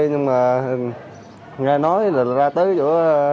nhưng mà nghe nói là ra tới chỗ